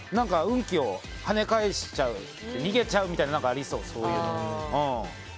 運気をはね返しちゃう逃げちゃうみたいなのがありそう。